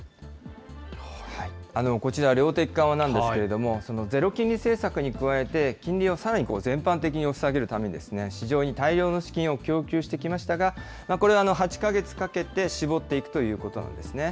こちら、量的緩和なんですけれども、そのゼロ金利政策に加えて、金利をさらに全般的に押し下げるために、市場に大量の資金を供給してきましたが、これを８か月かけて絞っていくということなんですね。